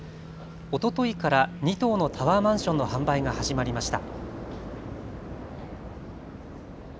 おとといから２棟のタワーマンションの販売が始まりました。